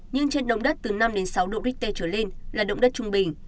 những trận động đất từ năm đến sáu độ richter trở lên là động đất trung bình